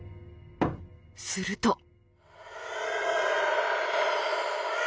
すると。